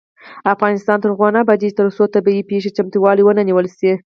افغانستان تر هغو نه ابادیږي، ترڅو د طبيعي پیښو چمتووالی ونه نیول شي.